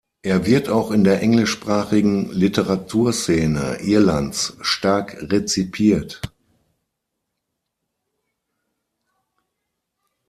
Er wird auch in der englischsprachigen Literaturszene Irlands stark rezipiert.